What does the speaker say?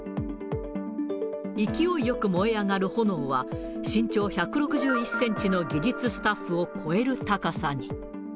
勢いよく燃え上がる炎は、身長１６１センチの技術スタッフを超える高さに。